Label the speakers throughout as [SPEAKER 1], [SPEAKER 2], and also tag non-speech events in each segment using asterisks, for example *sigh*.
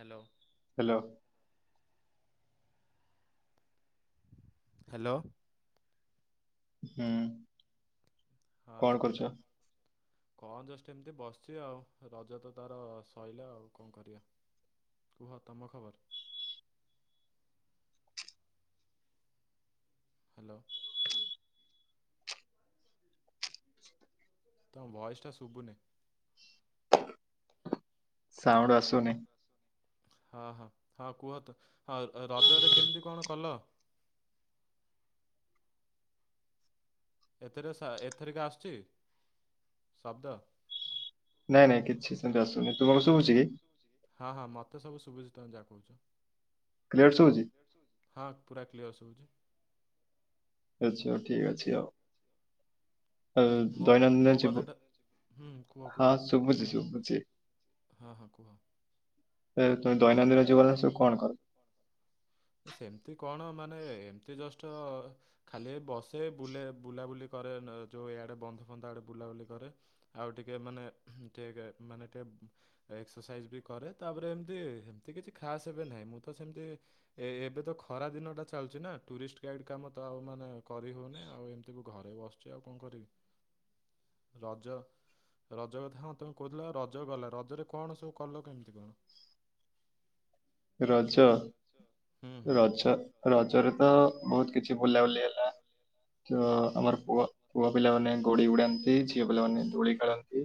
[SPEAKER 1] Hello.
[SPEAKER 2] Hello.
[SPEAKER 1] Hello.
[SPEAKER 2] ହୁଁ।
[SPEAKER 1] ହଁ
[SPEAKER 2] କଣ କରୁଛ?
[SPEAKER 1] ଶୁବିଲା। କଣ ଜଷ୍ଟ ଏମିତି ବସିଚି ଆଉ, ରଜ ତ ତାର ସରିଲା ଆଉ କଣ କରିବା? କୁହ ତମ ଖବର? ହାଲୋ। ତମ ଭଏସ୍ ଟା ଶୁବୁନି।
[SPEAKER 2] ସାଉଣ୍ଡ୍ ଆସୁନି।
[SPEAKER 1] ହଁ ହଁ, ହଁ କୁହତ, ହଁ ରଜରେ କେମିତି କଣ କଲ? ଏଥିରେ ଏଥରିକ ଆସୁଚି ଶବ୍ଦ।
[SPEAKER 2] ନାଇଁ ନାଇଁ କିଛି ସେମିତି ଆସୁନି, ତୁମକୁ ଶୁଭୁଚି କି?
[SPEAKER 1] ହଁ ହଁ ମତେ ସବୁଚି, ତମେ ଯାହା କହୁଚ।
[SPEAKER 2] କ୍ଲିୟର ଶୁବୁଚି?
[SPEAKER 1] ହଁ ପୁରା କ୍ଲିଅର ଶୁବୁଚି।
[SPEAKER 2] ଆଛା, ଠିକ୍ ଅଛି ଆଉ। ଆ
[SPEAKER 1] ମୋ
[SPEAKER 2] ଦୈନନ୍ଦିନ
[SPEAKER 1] ମୋ
[SPEAKER 2] ଯିବ,
[SPEAKER 1] କଥାଟା ହୁଁ କୁହ କୁହ
[SPEAKER 2] ହଁ ଶୁବୁଚି ଶୁବୁଚି।
[SPEAKER 1] ହଁ ହଁ କୁହ?
[SPEAKER 2] ଏ ତୁମେ ଦୈନନ୍ଦିନ ଜୀବନ ସବୁ କଣ କର?
[SPEAKER 1] ସେମିତି କଣ, ମାନେ ଏମିତି ଜଷ୍ଟ ଖାଲି ବସେ, ବୁଲେ, ବୁଲାବୁଲି କରେ ଯୋଉ ଇଆଡେ ବନ୍ଧ ପନ୍ଧ ଆଡେ ବୁଲାବୁଲି କରେ। ଆଉ ଟିକେ ମାନେ *unintelligible* ମାନେ ଟିକେ ଏକ୍ସରସାଇଜ ବି କରେ, ତାପରେ ଏମିତି, ହେମତି କିଛି ଖାସ ଏବେ ନାହିଁ, ମୁଁ ତ ସେମିତି ଏ ଏବେ ତ ଖରା ଦିନ ଟା ଚାଲୁଚିନା, ଟୁରିଷ୍ଟ ଗାଇଡ କାମ, ତ ଆଉ ମାନେ କରି ହଉନି, ଆଉ ଏମିତିକୁ ଘରେ ବସ ଚି ଆଉ କଣ କରିବି?
[SPEAKER 2] *inaudible*
[SPEAKER 1] ରଜ ରଜ କଥା ହଁ ତୁମେ କହୁଥିଲ, ରଜ ଗଲା, ରଜରେ କଣ ସବୁ କଲ କେମିତି କଣ?
[SPEAKER 2] ରଜ,
[SPEAKER 1] ହୁଁ ହୁଁ
[SPEAKER 2] ରଜ ରଜରେ ତ ବହୁତ କିଛି ବୁଲାବୁଲି ହେଲା। ତ ଆମର ପୁଅ, ପୁଅ ପିଲାମାନେ ଗୋଡି ଉଡାନ୍ତି, ଝିଅ ପିଲାମାନେ ଦୋଳି ଖେଳନ୍ତି।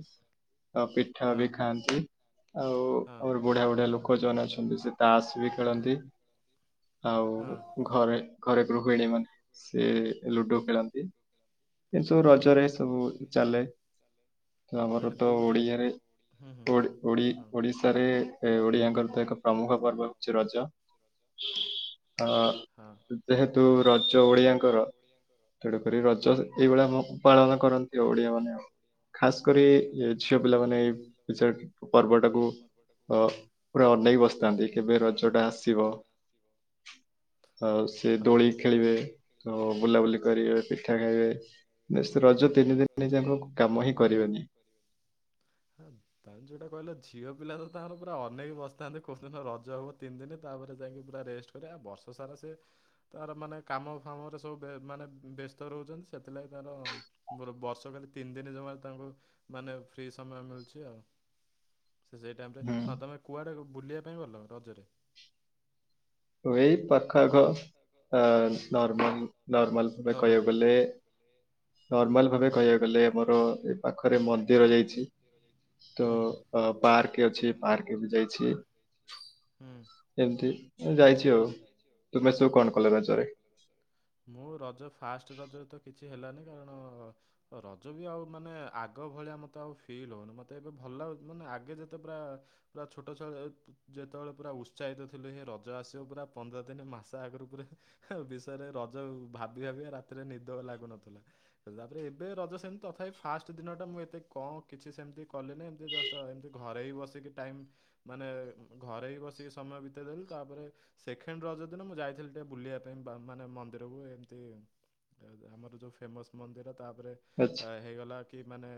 [SPEAKER 2] ଆ ପିଠା
[SPEAKER 1] ହଁ
[SPEAKER 2] ବି ଖାଆନ୍ତି, ଆଉ
[SPEAKER 1] ହଁ
[SPEAKER 2] ଆମର ବୁଢିଆ ବୁଢିଆ ଲୋକ ଯୋଉମାନେ ଅଛନ୍ତି ସେ ତାସ ବି ଖେଳନ୍ତି, ଆଉ
[SPEAKER 1] ହଁ
[SPEAKER 2] ଘରେ, ଘରେ ଗୃହିଣୀ ମାନେ, ସେ ଲୁଡୁ ଖେଳନ୍ତି। ଏ ସଵୁ
[SPEAKER 1] ହଁ
[SPEAKER 2] ରଜରେ ସବୁ ଚାଲେ। ଆମର
[SPEAKER 1] ଆଦାନ
[SPEAKER 2] ତ
[SPEAKER 1] କୋଉ ଯାକ
[SPEAKER 2] ଓଡ଼ିଆରେ,
[SPEAKER 1] ହୁଁ ହୁଁ
[SPEAKER 2] ଓଡ଼ି ଓଡି
[SPEAKER 1] ହଁ।
[SPEAKER 2] ଓଡ଼ିଶ *unintelligible* ରେ ଓଡିଆଙ୍କର ତ ଏକ ପ୍ରମୁଖ ପର୍ବ ହଉଛି ରଜ, ଅ
[SPEAKER 1] ହଁ
[SPEAKER 2] ଯେହେତୁ ରଜ ଓଡିଆଙ୍କର, ତେଣୁକରି ରଜ ଏଇଭଳିଆ ପାଳନ କରନ୍ତି ଆଉ ଓଡିଆ ମାନେ ଆ ଖାସ କରି ଝିଅ ପିଲା ମାନେ ଏଇ ପର୍ବ ଟାକୁ ଅ ପୁରା ଅନେଇ ବସିଥାନ୍ତି। କେବେ ରଜ ଟା ଆସିବ ଆଉ ସେ
[SPEAKER 1] ହଁ। ହଁ
[SPEAKER 2] ଦୋଳି
[SPEAKER 1] ତମେ
[SPEAKER 2] ଖେଳିବେ, ବୁଲାବୁଲି କରିବେ, ପିଠା ଖାଇବେ। ରଜ ତିନି ଦିନ ଯାଙ୍କ କାମ ହିଁ କରିବେନି।
[SPEAKER 1] ହଁ। ତା ଯୋଉଟା କହିଲ ଝିଅ ପିଲା ତ ତାଙ୍କର ପୁର ଅନେକ ବସିଥାନ୍ତି କଉ ଦିନ ରଜ ହବ ତିନି ଦିନ ତାପରେ ଯାଇକି ପୁରା ରେଷ୍ଟ କରିଆ। ବର୍ଷ ସାରା ସେ ତାର ମାନେ କାମ ଫାମରେ ସବୁ ମାନେ ବ୍ୟସ୍ତ ରହୁଚନ୍ତି ସେଥିଲାଗି ତାର ମୋର ବର୍ଷ କାଲି ତିନି ଦିନ ଜମାରେ ତାଙ୍କୁ ମାନେ ଫ୍ରି ସମୟ ମିଳୁଚି ଆଉ। ସେ ସେଇ ଟାଇମରେ
[SPEAKER 2] ହୁଁ
[SPEAKER 1] ହଁ ତୁମେ କୁଆଡ଼େ ବୁଲିବା ପାଇଁ ଗଲ ରଜରେ?
[SPEAKER 2] ଏଇ ପାଖଆଖ ଆ ନର୍ମାଲ ନର୍ମାଲ ଭାବେ
[SPEAKER 1] ଓହୋ
[SPEAKER 2] କହିବାକୁ ଗଲେ ନର୍ମାଲ
[SPEAKER 1] ହୁଁ
[SPEAKER 2] ଭାବେ
[SPEAKER 1] ହୁଁ।
[SPEAKER 2] କହିବାକୁ ଗଲେ ଆମର। ପାଖରେ ମନ୍ଦିର ଯାଇଚି ତ।
[SPEAKER 1] ହୁଁ ହୁଁ
[SPEAKER 2] ଅ ପାର୍କ ଅଛି ପାର୍କ ବି ଯାଇଛି।
[SPEAKER 1] ହୁଁ।
[SPEAKER 2] ଏମତି ଯାଇଚୁ ଆଉ। ତୁମେ ସବୁ କଣ କଲେ ରଜରେ?
[SPEAKER 1] ମୁଁ ରଜ ଫାଷ୍ଟ ରଜରେ ତ କିଛି ହେଲାନି। କାରଣ ରଜ ବି ଆଉ ମାନେ ଆଗ ଭଳିଆ ମତେ ଆଉ ଫିଲ୍ ହଉନି ମତେ ଏବେ ଭଲ ମାନେ ଆଗେ ଯେତେ ପୁରା ପୁରା ଛୋଟ ଛ ଯେତେବେଳେ ପୁରା ଉତ୍ସାହିତ ଥିଲେ ସେ ରଜ ଆସ ପୁରା ପନ୍ଦର ଦିନ ମାସ ଆଗରୁ ପୁରା ବିଷୟରେ ରଜ ଭାବି ଭାବି ରାତିରେ ନିଦ ଲାଗୁନଥିଲା। ତାପରେ ଏବେ ରଜ ସେମିତି ତଥାପି ଫାଷ୍ଟ ଦିନ ଟା ମୁଁ ଏତେ କଣ କିଛି ସେମିତି କଲିନି ଏମତି ଜଷ୍ଟ ତ ଏମିତି ଘରେ ହି ବସିକି ଟାଇମ ମାନେ ଘରେ ହି ବସିକି ସମୟ ବିତେଇ ଦେଲି। ତାପରେ ସେଖେଣ୍ଡ ରଜ ଦିନ ମୁଁ ଯାଇଥିଲି ଟିକେ ବୁଲିବା ପାଇଁ ମାନେ ମନ୍ଦିରକୁ ଏମିତି ଆମର ଯେଉ ଫେମସ୍ ମନ୍ଦିର ତାପରେ
[SPEAKER 2] ଆଛା
[SPEAKER 1] ହେଇଗଲା କି ମାନେ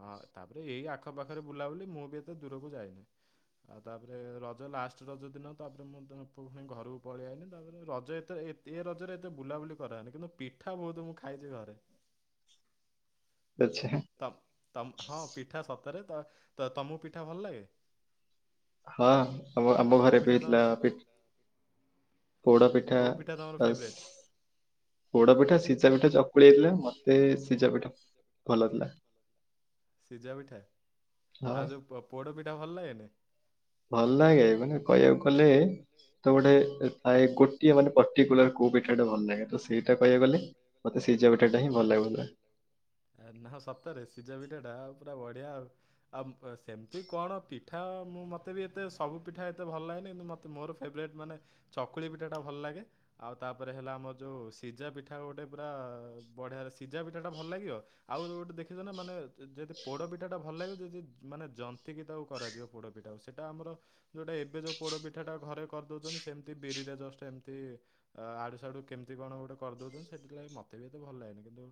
[SPEAKER 1] ହଁ ତାପରେ ଏଇ ଆଖପାଖରେ ବୁଲାବୁଲି ମୁଁ ବି ଏତେ ଦୂରକୁ ଯାଇନି। ଆଉ ତାପରେ ରଜ ଲାଷ୍ଟ ରଜ ଦିନ ତାପରେ ମୁଁ ପୁ ଘରକୁ ପଳେଇଆଇନି ତାପରେ ରଜ ଏତେ ଏ ରଜରେ ଏତେ ବୁଲାବୁଲି କରାହେଇନି। କିନ୍ତୁ ପି ପିଠା ବହୁତ ମୁଁ ଖାଇଛ ଘରେ।
[SPEAKER 2] ଆଛା।
[SPEAKER 1] ହଁ ପିଠା ସତରେ ତମକୁ ପିଠା ଭଲ ଲାଗେ?
[SPEAKER 2] ହଁ ଆମ ଆମ
[SPEAKER 1] କୋଉ
[SPEAKER 2] ଘରେ ବି
[SPEAKER 1] ପିଠା ତମର
[SPEAKER 2] ହେଇଥିଲା
[SPEAKER 1] ଫେ-
[SPEAKER 2] ପି ପୋଡ ପିଠା
[SPEAKER 1] କୋଉ ତମର
[SPEAKER 2] ବସ୍
[SPEAKER 1] ଫେଭରେଟ୍
[SPEAKER 2] ପୋଡ ପିଠା, ସିଝା ପିଠା, ଚକୁଳି, ହେଇଥିଲା। ମତେ ସିଝା ପିଠା ଭଲ ଥିଲା।
[SPEAKER 1] ସିଝା ପିଠା,
[SPEAKER 2] ହଁ
[SPEAKER 1] ଆଉ ଯୋଉ ପୋଡ଼ ପିଠା ଭଲ ଲାଗେନି?
[SPEAKER 2] ଭଲ ଲାଗେ କାନେ କହିବାକୁ ଗଲେ ତ ଗୋଟେ ପ୍ରାୟ ଗୋଟିଏ ମାନେ ପର୍ଟିକୁଲାର କୋଉ ପିଠାଟା ଭଲ ଲାଗେ ତ ସେଇଟା କହିବା ଗଲେ ମତେ ସିଝା
[SPEAKER 1] ହୁଁ
[SPEAKER 2] ପିଠାଟା ହିଁ ଭଲ ଲାଗୁଥିଲା
[SPEAKER 1] ନା ସତରେ ସିଝା ପିଠା ଟା ଆଉ ପୁରା ବଢିଆ ଆଉ। ଆଉ ସେମିତି କଣ ପିଠା ମୁଁ ମୋତେ ବି ଏତେ ସବୁ ପିଠା ଏତେ ଭଲ ଲାଗେନି କିନ୍ତୁ ମୋତେ ତ ମୋର ଫେବରରେଟ୍ ମାନେ ଚକୁଳି ପିଠା ଟା ଭଲ ଲାଗେ। ଆଉ ତାପରେ ହେଲା ଆମର ଯୋଉ ସିଜା ପିଠା ଗୋଟେ ଟା ବଢ଼ିଆ ସିଝା ପିଠାଟା ଭଲ ଲାଗିବ? ଆଉଉ ଗୋଟେ ଦେଖିଛ ନା ମାନେ ଯଦି ପୋଡପିଠା ଟା ଭଲ ଲାଗିବ ଯଦି ମାନେ ଜନ୍ତିକି ତାକୁ କରାଯିବ ପୋଡ ଟା ସେଇଟା ଆମର ଯୋଉଟା ଏବେ ଯୋଉ ପୋଡ ପିଠାଟା ଘରେ କରିଦଉଚନ୍ତି ସେମ୍ତି ବିରିରେ ଜଷ୍ଟ ଏମ୍ତି ଅ ଆଡୁ ସାଡୁ କେମିତି କଣ ଗୋଟେ କରିଦଉଛନ୍ତି ସେଟଥିଲାଗି ମତେ ବି ଏତେ ଭଲ ଲାଗେନି କିନ୍ତୁ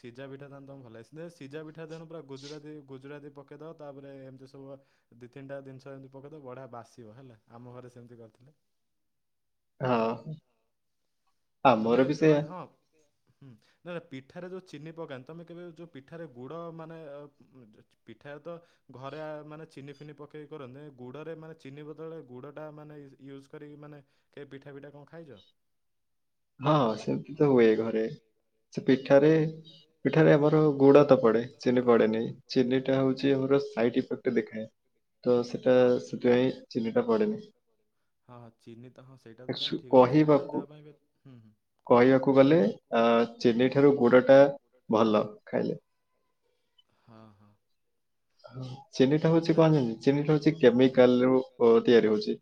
[SPEAKER 1] ସିଜା ପିଠା ତାହାନେ ତମକୁ ଭଲ୍ ଲାଗେ ଦେ ସିଜା ପିଠା ତେଣୁ ପୁରା ଗୁଜୁରାତି ଗୁଜୁରାତି ପକେଇଦଅ ତାପରେ ଏମ୍ତି ସବୁ ଅ ଦି ତିନ୍ ଟା ଦିନିଷ ଏମ୍ତି ପକେଇଦଉ ବଢିଆ ବାସିବ ହେଲା ଆମ ଘରେ ସେମ୍ତି କରିଥିଲେ।
[SPEAKER 2] ଅ ହ।
[SPEAKER 1] ତମେ ରଏ ହଁ ଆଜ୍ଞା। ହୁଁ ନା ପିଠାରେ ଯୋଉ ଚିନି ପକାନ୍ତ୍ ତମେ କେବେ ଯୋଉ ପିଠାରେ ଗୁଡ ମାନେ ଅ ମୁଁ *unintelligible* ପିଠାରେ ତ ଘରେ ଆ ମାନେ ଚିନି ଫିନି ପକେଇ କରନ୍ତି ଏ ଗୁଡ଼ରେ ମାନେ ଚିନି ବଦଳରେ ଗୁଡ଼ଟା ମାନେ *unintelligible* ୟୁଜ୍ କରିକି ମାନେ କେ ପିଠା ଫିଠା କଁ ଖାଇଚ?
[SPEAKER 2] ହଁ ସେମ୍ତି ତ ହୁଏ ଘରେ। ସେ ପିଠାରେ ପିଠାରେ ଆମର ଗୁଡା ତ ପଡେ ଚନି ପଡେ ନି ଚିନିଟା ହଉଚି ଆମର ସାଇଡଇଫେକ୍ଟ୍ ଦେଖାଏ ତ ସେଟା
[SPEAKER 1] ହଁ।
[SPEAKER 2] ସେଥିପାଇଁ ଚିନିଟା ପଡ଼େନି।
[SPEAKER 1] ହଁ-ହଁ ଚିନି ତ ହଁ ସେଇଟା ତ ତମେ ଠିକ୍ ଅଛି ଚିନିଟା ଦେହ ପାଇଁ ବି ହୁଁ-ହୁଁ।
[SPEAKER 2] କହିଆକୁ ଗଲେ ଆ ଚିନି ଠାରୁ ଗୁଡ ଟା ଭଲ ଖାଇଲେ।
[SPEAKER 1] ହଁ-ହଁ
[SPEAKER 2] ହ ଚିନିଟା ହଉଚି କହନ୍ତିନି ଚିନି ହଉଚି
[SPEAKER 1] ହୁଁ
[SPEAKER 2] କେମିକାଲ୍
[SPEAKER 1] ହୁଁ
[SPEAKER 2] ରୁ ଅ ତିଆରି ହଉଚି।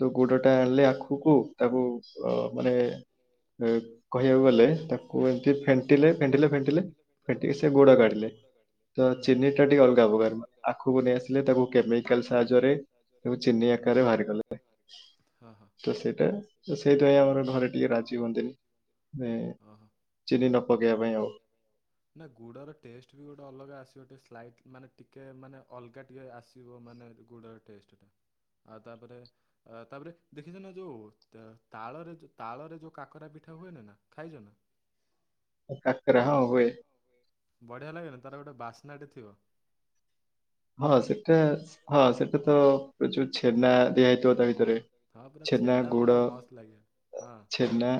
[SPEAKER 2] ତୋ ଗୁଡ଼ଟା ହେଲେ ଆଖୁକୁ - ତାକୁ ଅ ମାନେ ଏ କହିଆକୁ ଗଲେ ତାକୁ ଏମ୍ତି ଫେଣ୍ଟିଲେ ଫେଣ୍ଟିଲେ ଫେଣ୍ଟିଲେ ଫେଣ୍ଟିକି ସେ ଗୁଡ କାଢିଲେ। ତ ଚିନି ଟା ଟିକେ ଅଲ୍ଗା ପକାର ଆଖୁକୁ ନେଇ ଆସିଲେ ତାକୁ କେମିକାଲ୍ ସାହାଯ୍ୟରେ ତାକୁ ଚିନି ଆକାରରେ ବାହାର କଲେ
[SPEAKER 1] ହଁ ହଁ
[SPEAKER 2] ତ ସେଟା ସେଇଟା ଆମର ଘରେ ଟିକେ ରାଜି ହୁଅନ୍ତିନି ନାଇ।
[SPEAKER 1] ଅହ।
[SPEAKER 2] ଚିନି ନ ପକେଇଆ ପାଇଁ ଆଉ।
[SPEAKER 1] ନା ଗୁଡ଼ର ଟେଷ୍ଟ ବି ଗୋଟେ ଅଲଗା ଆସିବ ଗୋଟେ ସ୍ଲାଇଟ୍ ମାନେ ଟିକେ ମାନେ ଅଲ୍ଗା ଟିକେ ଆସ୍ ତିବ ମାନେ ଗୁଡର ଟେଷ୍ଟଟା ଆଉ ତାପରେ ଅ ତାପରେ ଦେଖିଚ ନା ଯୋଉ ତ ତାଳରେ ତାଳରେ ଯୋଉ କାକରା ପିଠା ହୁଏନା ନା ଖାଇଚ ନା?
[SPEAKER 2] *unintelligible* କାକରା ହଁ ହୁଏ।
[SPEAKER 1] ବଢିଆ ଲାଗେନା ତାର ଗୋଟେ ବାସ୍ନା ଟେ ଥିବ।
[SPEAKER 2] ହଁ ସେଟା ହଁ ସେଟା ତ ଏ ଯୁ ଛେନା ଦିଆ ହେଇ ଥିବ ତା ଭିତରେ
[SPEAKER 1] ହଁ ପୁରା
[SPEAKER 2] ଛେନା
[SPEAKER 1] ପୁରା
[SPEAKER 2] ଗୁଡ
[SPEAKER 1] ମସ୍ତ ଲାଗେ ହଁ
[SPEAKER 2] ଛେନା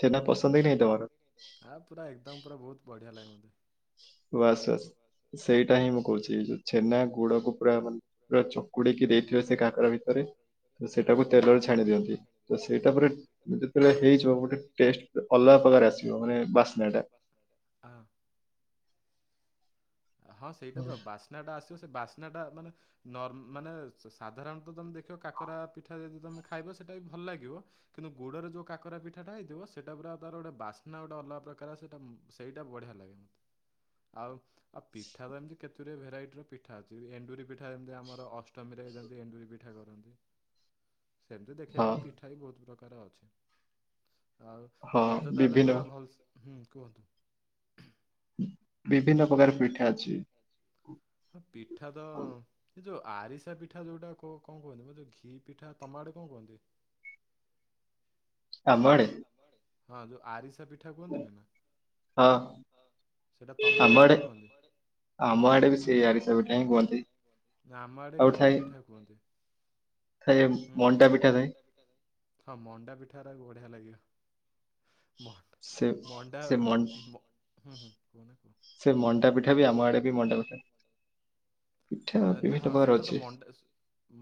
[SPEAKER 2] ଛେନା ପସନ୍ଦ କି ନାହିଁ ତମର?
[SPEAKER 1] ଆ ପୁରା ଏକଦମ୍ ପୁରା ବହୁତ୍ ବଢିଆ ଲାଗେ ମତେ।
[SPEAKER 2] ବାସ ବାସ୍ ସେଇଟା ହିଁ ମୁଁ କହୁଚି ଯୋଉ ଛେନା ଗୁଡକୁ ପୁରା ମା *unintelligible* ପୁରା ଚକୁଡିକି ଦେଇଥିବେ ସେ କାକରା ଭିତରେ। ତ ସେଇଟାକୁ
[SPEAKER 1] ହଁ
[SPEAKER 2] ତେଲରେ ଛାଣି ଦିଅନ୍ତି ତ ସେଇଟା ପୁରା ଯେତେବେଳେ ହେଇଯିବ ଗୋଟେ ଟେଷ୍ଟ ଅଲଗା ପ୍ରକାର ଆସିବ ମାନେ ବାସ୍ନା ଟା।
[SPEAKER 1] ହଁ। ହଁ ସେଇଟା ତ ବାସ୍ନା ଟା ଆସିବ ସେ ବାସ୍ନା ଟା ମାନେ ନର୍ମ ମାନେ ସାଧାରଣତଃ ତମେ ଦେଖିବ କାକରା ପିଠା ଯଦି ତମେ ଖାଇବ ସେଇଟା ବି ଭଲ ଲାଗିବ। କିନ୍ତୁ ଗୁଡରେ ଯୋଉ କାକରା ପିଠାଟା ହେଇଥିବ ସେଟା ପୁରା ତାର ଗୋଟେ ବାସ୍ନା ଗୋଟେ ଅଲଗା ପ୍ରକାର ସେଇଟା ସେଇଟା ବଢିଆ ଲା ଗେ ମତେ ଆଉ ଆଉ ପିଠା ତ ଏମିତି କେତୁରିଏ ଭେରାଇଟି ର ପିଠା ଅଛି ଏଣ୍ଡୁରି ପିଠା ଯେମିତି ଆମର ଅଷ୍ଟମୀରେ ଯେମତି ଏଣ୍ଡୁରି ପି ଠା କରନ୍ତି।
[SPEAKER 2] *inaudible*
[SPEAKER 1] ସେମିତି ଦେଖିବାକୁ
[SPEAKER 2] ହଁ
[SPEAKER 1] ଗଲେ ପିଠା ବି ବହୁତ ପ୍ରକାର ଅଛି। ଆଉ
[SPEAKER 2] ହଁ
[SPEAKER 1] ରଜ ତାହେଲେ
[SPEAKER 2] ବିଭିନ୍ନ
[SPEAKER 1] ପୁରା ଭଲ ହୁଁ କୁହନ୍ତୁ।
[SPEAKER 2] ବିଭିନ୍ନ ପ୍ରକାର ପିଠା ଅଛି।
[SPEAKER 1] ହଁ ପିଠା ତ ସେ ଯୋଉ ଆରିସା ପି ପିଠା ଯୋଉଟା କଣ କୁହନ୍ତି ବ ଘି ପିଠା ତମାଡେ କଣ କୁହନ୍ତି?
[SPEAKER 2] ଆମ ଆଡେ।
[SPEAKER 1] ହଁ ଯୋଉ ଆରିସା ପିଠା କୁହନ୍ତିନି ନା
[SPEAKER 2] ହଁ
[SPEAKER 1] ସେଇଟା ତମ ଆଡେ କଣ କୁହନ୍ତି?
[SPEAKER 2] ଆମ ଆଡେ ବି ସେଇ ଆରିସା ପିଠା ହିଁ କୁହନ୍ତି
[SPEAKER 1] ନା ଆମ ଆଡ଼େ
[SPEAKER 2] ଆଉ
[SPEAKER 1] ଘି
[SPEAKER 2] ଥାଏ
[SPEAKER 1] ପିଠା କୁହନ୍ତି।
[SPEAKER 2] ଥାଏ
[SPEAKER 1] ହୁଁ,
[SPEAKER 2] ମଣ୍ଡା ପିଠା
[SPEAKER 1] ହଁ
[SPEAKER 2] ଥାଏ
[SPEAKER 1] ମଣ୍ଡା ପିଠା ରା ବଢିଆ ଲାଗେ। ମ
[SPEAKER 2] ସେ
[SPEAKER 1] ମଣ୍ଡା
[SPEAKER 2] ସେ ମନ୍
[SPEAKER 1] ହୁଁ ହୁଁ କୁହନା କୁହ।
[SPEAKER 2] ସେ ମଣ୍ଡା ପିଠା ବି ଆମ ଆଡେ ବି ମଣ୍ଡା ପିଠା ପିଠା
[SPEAKER 1] ଆ, ନା
[SPEAKER 2] ବିଭିନ୍ନ
[SPEAKER 1] ହଁ
[SPEAKER 2] ପ୍ରକାର
[SPEAKER 1] ସେଟା ତ
[SPEAKER 2] ଅଛି।
[SPEAKER 1] ମଣ୍ଡା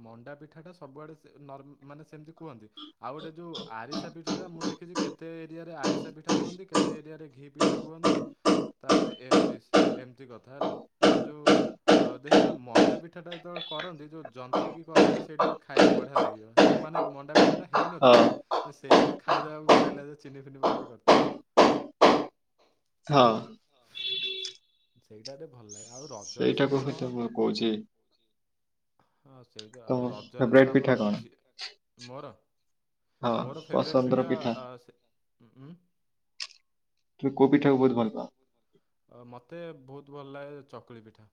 [SPEAKER 1] ମଣ୍ଡା ପିଠାଟା ସବୁଆଡେ ସେ ନର ମାନେ ସେମିତି। କୁହନ୍ତି ଆଉ ଗୋଟେ ଯୋଉ ଆରିସା ପିଠିଟା ମୁଁ ଦେଖିଛି କେତ କେତେ ଏରିଆରେ ଆରିସା ପିଠା କୁହନ୍ତି, କେତେ ଏରିଆରେ ଘି ପିଠା କୁହନ୍ତି। ତାପରେ ଏମିତି ଏମିତି କଥା ହେଲା ଆଉ ଯୋଉ ଦେଖ ମଣ୍ଡା ପିଠାଟା ଯେତେବେଳେ କରନ୍ତି ଯୋଉ ଜନ୍ତିକି କରନ୍ତି ସେଇଟା ବି ଖାଇବା ବଢ଼ିଆ ଲାଗିବ ସେ ଯୋଉ ମାନେ ମଣ୍ଡାପିଠାଟା
[SPEAKER 2] ଅ
[SPEAKER 1] ହେଇନଥିବ ସେଇଥିରୁ ଖାଇଦବା ବଢିଆ ଲାଗିବ ଚିନି ଫିନି ପକେଇ କରିଥିବେ।
[SPEAKER 2] ହଁ।
[SPEAKER 1] ହଁ। ସେଇଟାରେ ଭଲ ଲାଗେ ଆଉ ରଜରେ
[SPEAKER 2] ସେଇଟାକୁ
[SPEAKER 1] ସେମିତି
[SPEAKER 2] ତ
[SPEAKER 1] କଣ?
[SPEAKER 2] ମୁଁ କହୁଛି
[SPEAKER 1] ହଁ ସେଇ ତ
[SPEAKER 2] ତମ
[SPEAKER 1] ଆଉ ରଜରେ
[SPEAKER 2] ଫେବରାଇଟ
[SPEAKER 1] ତ
[SPEAKER 2] ପିଠା କଣ?
[SPEAKER 1] ଆମରଝିଅ ମୋର
[SPEAKER 2] ହଁ
[SPEAKER 1] ମୋର ଫେବରେଟ୍
[SPEAKER 2] ପସନ୍ଦର
[SPEAKER 1] ପିଠା ଅ ସେ ଉଁ।
[SPEAKER 2] କି କୋଉ ପିଠା କୁ ବହୁତ ଭଲ ପାଅ?
[SPEAKER 1] ଅ ମତେ ବହୁତ ଭଲ ଲାଗେ ଚକୁଳି ପିଠା।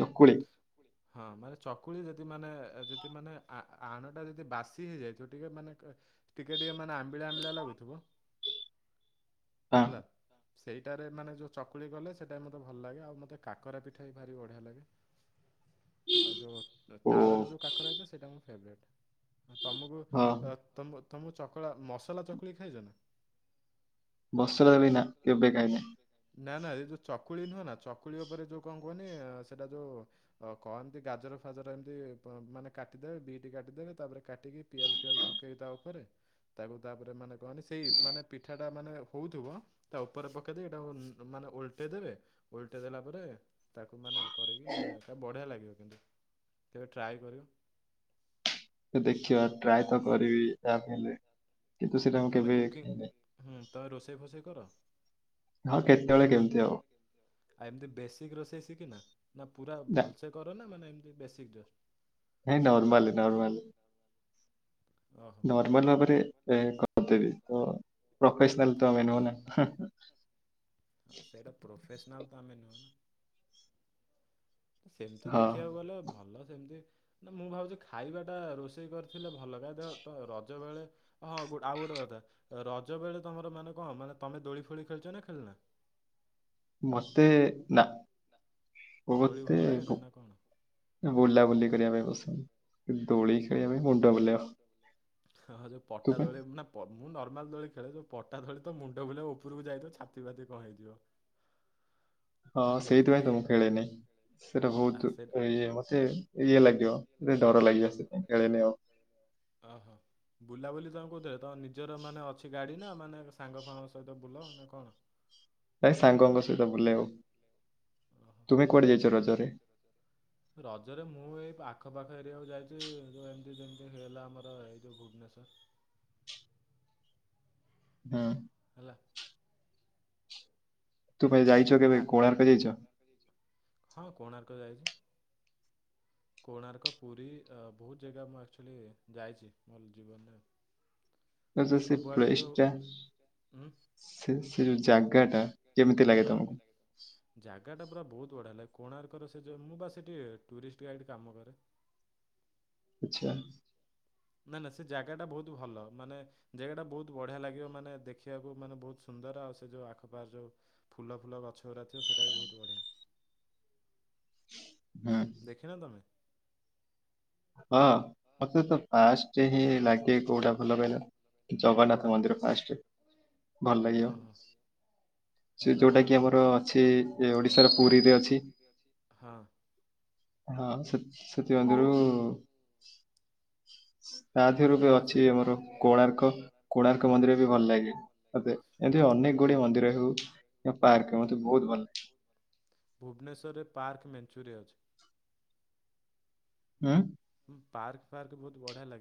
[SPEAKER 2] ଚକୁଳି।
[SPEAKER 1] ହଁ ମାନେ ଚକୁଳି ଯଦି ମାନେ ଯଦି ମାନେ ଆଣ ଟା ଯଦି ବାସି ହେଇଯାଇଥିବ ଟିକେ ମାନେ ଟିକେ ଟିକେ ମାନେ ଆମ୍ବିଳା ଆମ୍ବିଳା ଲାଗୁଥିବ।
[SPEAKER 2] ହଁ
[SPEAKER 1] ହେଲା। ସେଇଟାରେ ମାନେ ଯୋଉ ଚକୁଳି କଲେ ସେଇଟା ମତେ ଭଲ ଲାଗେ ଆଉ ମତେ କାକରା ପିଠା ବି ଭାରି ବଢିଆ ଲାଗେ।
[SPEAKER 2] *inaudible*
[SPEAKER 1] ଆଉ ଯଉ
[SPEAKER 2] ଓ
[SPEAKER 1] ତାଳରେ ଯୋଉ କାକରା ହେଇଥିବ ସେଇଟା ମୋର ଫେବରଟ। ତମକୁ
[SPEAKER 2] ହଁ
[SPEAKER 1] ତ ତମକୁ ଚକୁଳା ମସଲା ଚକୁଳି ଖାଇଛ ନା?
[SPEAKER 2] ଅସଲା ବି ନା କେବେ ଖାଇନି।
[SPEAKER 1] ନା ନା ଏ ଯୋଉ ଚକୁଳି ନୁହଁ ନା ଚକୁଳି ଉପରେ ଯୋଉ କଣ କୁହନି ସେଟା ଯୋଉ ଅ କହ ଏମତି ଗାଜର ଫାଜର ଏମିତି ମାନେ କାଟିଦେବେ ବିଟି କାଟିଦେବେ ତାପରେ କାଟିକି ପିଆଜ ଫିଆଜ ପକେଇ କି ତା ଉପରେ ତାକୁ ତାପରେ ମାନେ କହନି ସେଇ ମାନେ ପିଠା ଟା ମାନେ ହଉଥିବ ତା ଉପରେ ପକେଇଦେଇ ଏଇଟାକୁ ମାନେ ଓଲଟେଇ ଦେବେ ଓଲଟେଇ ଦେଲା ପରେ ତାକୁ ମାନେ କରିକି ମାନେ ତା ବଢ଼ିଆ ଲାଗିବ କିନ୍ତୁ କେବେ ଟ୍ରାଏ କରିବ।
[SPEAKER 2] ଦେଖିବା ଟ୍ରାଏ ତ କରିବି ଯାହାବି ହେଲେ। କିନ୍ତୁ ସେଇଟା ମୁଁ
[SPEAKER 1] ତମେ
[SPEAKER 2] କେବେ
[SPEAKER 1] କୁକିଂ
[SPEAKER 2] ଖାଇନି
[SPEAKER 1] ହୁଁ ତମେ ରୋଷେଇ ଫୋଷେଇ କର?
[SPEAKER 2] ହଁ କେତେବେଳେ କେମିତି
[SPEAKER 1] ଆଉ ଏମତି ବେସିକ ରୋଷେଇ ଶିଖ ନା ନା ପୁରା
[SPEAKER 2] ନା
[SPEAKER 1] ଭଲସ ସେ କର ନା ମାନେ ଏମିତି ବେସିକ ଜଷ୍ଟ।
[SPEAKER 2] ଏଇ ନର୍ମାଲି ନର୍ମାଲି।
[SPEAKER 1] ଓ
[SPEAKER 2] ଫର୍ମାଲ ଭାବରେ ଏଁ କରିଦେବି ତ ପ୍ରୋଫେସନାଲ୍ ତ ଆମେ ନୁହଁ ନା।
[SPEAKER 1] ହଁ ସେଇଟା ପ୍ରୋଫେସନାଲ୍ ତ ଆମେ ନୁହେଁ ନା। ସେମିତି
[SPEAKER 2] ହଁ।
[SPEAKER 1] ଦେଖିବାକୁ ଗଲେ ଭଲ ସେମିତି ନା ମୁଁ ଭାବୁଚି ଖାଇବାଟା ରୋଷେଇ କରିଥି ଥିଲେ ଭଲ କାଇଁ ଦେ ତ ରଜ ବେଳେ ହଁ ଗୋ ଆଉ ଗୋଟେ କଥା। ରଜ ବେଳେ ତମର ମାନେ କଣ ମାନେ ତମେ ଦୋଳି ଫୋଳି ଖେଳୁଚ ନା ଖେଳୁନା।
[SPEAKER 2] ମତେ ନା
[SPEAKER 1] ଦୋଳି
[SPEAKER 2] ମତେ
[SPEAKER 1] ଭଲ ଲାଗେନି
[SPEAKER 2] ବୁ
[SPEAKER 1] ନା କଣ?
[SPEAKER 2] ବୁଲାବୁଲି କରିବା ପାଇଁ ପସନ୍ଦ ଦୋଳି ଖେଳିବା ପାଇଁ ମୁଣ୍ଡ ବୁଲେଇବ।
[SPEAKER 1] ହଁ ଯୋଉ
[SPEAKER 2] ତୁ
[SPEAKER 1] ପଟା
[SPEAKER 2] ପାଇଁ
[SPEAKER 1] ଦୋଳି ନା ମୁଁ ନର୍ମାଲ ଦୋଳି ଖେଳେ ଯୋଉ ପଟା ଦୋଳି ତ ମୁଣ୍ଡ ବୁଲେଇ ଉପରକୁ ଯାଇଥିବ ଛାତି ଫାତି କଣ ହେଇଯିବ।
[SPEAKER 2] ହଁ
[SPEAKER 1] ଆଉ ସେମିତି
[SPEAKER 2] ସେଇଥିପାଇଁ ତ
[SPEAKER 1] କିଛି
[SPEAKER 2] ମୁଁ ଖେଳେନି ସେଇଟା
[SPEAKER 1] ଆ
[SPEAKER 2] ବହୁତ
[SPEAKER 1] ସେ
[SPEAKER 2] ଇଏ ମତେ ଇଏ ଲାଗିବ ଟିକେ ଡର ଲାଗିବ ସେ ଖେଳେନି ଆଉ।
[SPEAKER 1] ଓହୋ ବୁଲାବୁଲି ତମେ କୋଉଥିରେ ତମ ନିଜର ମାନେ ଅଛି ଗାଡି ନା ମାନେ ସାଙ୍ଗ ଫାଙ୍ଗ ସହିତ ବୁଲ ନା କଣ?
[SPEAKER 2] ନାଇଁ ସାଙ୍ଗଙ୍କ ସହିତ ବୁଲେ ଆଉ, ତୁମେ କୁଆଡେ ଯାଇଚ ରଜରେ?
[SPEAKER 1] ରଜରେ ମୁଁ ଏଇ ଆଖପାଖ ଏରିଆକୁ ଯାଇଚି ଯୋଉ ଏମିତି ଯେମିତି ହେଲା ଆମର ଏଇ ଯୋଉ ଭୁବନେଶ୍ଵର।
[SPEAKER 2] ଉଁ
[SPEAKER 1] ହେଲା।
[SPEAKER 2] ତୁ କେବେ ଯାଇ
[SPEAKER 1] ହଁ କୋଣାର୍କ ଯାଇଚି। କୋଣାର୍କ ପୁରୀ ଅ ବହୁତ ଜାଗା ମୁଁ ଆକ୍ଚୁଆଲି ଯାଇଚି ମୋ ଜୀବନରେ।
[SPEAKER 2] ଆଉ ଯୋଉ
[SPEAKER 1] ତ
[SPEAKER 2] ସେ
[SPEAKER 1] ସବୁଆଡ଼େ ଏ
[SPEAKER 2] ପ୍ଳେସ
[SPEAKER 1] ଯୋଉ
[SPEAKER 2] ଟା।
[SPEAKER 1] ଉଁ,
[SPEAKER 2] ସେ ସେ ଜାଗା ଟା କେମିତି ଲାଗେ
[SPEAKER 1] ହଁ କେମିତି
[SPEAKER 2] ତମକୁ?
[SPEAKER 1] ଜାଗାଟା ପୁରା ବହୁତ ବଢ଼ିଆ ଲାଗେ କୋଣାର୍କର ସେ ମୁଁ ବା ସେଇଠି ଟୁରିଷ୍ଟ ଗାଇଡ଼ କାମ କରେ।
[SPEAKER 2] ଆଚ୍ଛା।
[SPEAKER 1] ନା ନା ସେ ଜାଗା ଟା ବହୁତ ଭଲ ମାନେ ଜାଗା ଟା ବହୁତ ବଢିଆ ଲାଗିବ ମାନେ ଦେଖିବାକୁ ମାନେ ବହୁତ ସୁନ୍ଦର ଆଉ ସେ ଯୋଉ ଆଖପାଖ ଯୋଉ ଫୁଲ ଫୁଲ ଗଛଗୁରା ଥିବ ସେଟା ବି ବହୁତ ବଢ଼ିଆ।
[SPEAKER 2] ହୁଁ।
[SPEAKER 1] ଦେଖିନ ତମେ?
[SPEAKER 2] ଅଁ ମତେ ତ ଫାଷ୍ଟେ ହିଁ ଲାଗେ କୋଉଟା ଭଲ କହିଲ? ଜଗନ୍ନାଥ
[SPEAKER 1] କୋଉଟା?
[SPEAKER 2] ମନ୍ଦିର ଫାଷ୍ଟ ଭଲ ଲାଗିବ।
[SPEAKER 1] ଓହୋ ହୁଁ,
[SPEAKER 2] ସେ ଯୋଉଟା କି
[SPEAKER 1] ଜଗନ୍ନାଥ
[SPEAKER 2] ଆମର
[SPEAKER 1] ମନ୍ଦିର।
[SPEAKER 2] ଅଛି ଏ ଓଡିଶାର ପୁରୀରେ ଅଛି।
[SPEAKER 1] ହଁ
[SPEAKER 2] ହଁ ସେତ *unintelligible* ତା ଦିହରୁ
[SPEAKER 1] ନା-
[SPEAKER 2] ବି
[SPEAKER 1] ହଁ
[SPEAKER 2] ଅଛି
[SPEAKER 1] ସେଇଟା ପୁ
[SPEAKER 2] ଆମର କୋଣାର୍କ କୋଣାର୍କ ମନ୍ଦିର ବି ଭଲ ଲାଗେ ମତେ। ଏମିତି
[SPEAKER 1] ହଁ କୋ-
[SPEAKER 2] ଅନେକ ଗୁଡିଏ
[SPEAKER 1] କୋଣ
[SPEAKER 2] ମନ୍ଦିର ହେଉ କି ପାର୍କ ମତେ ବହୁତ ଭଲ ଲାଗେ।
[SPEAKER 1] ଭୁବନେଶ୍ୱରରେ ପାର୍କ ମେଞ୍ଚୁରିଏ ଅଛି।
[SPEAKER 2] ଉଁ
[SPEAKER 1] ଉଁ ପାର୍କ ଫାର୍କ ବହୁତ ବଢିଆ ଲାଗେ।